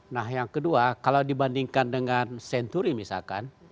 nah yang kedua kalau dibandingkan dengan senturi misalkan